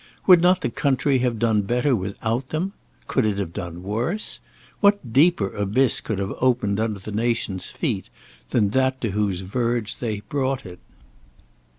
Would not the country have done better without them? Could it have done worse? What deeper abyss could have opened under the nation's feet, than that to whose verge they brought it?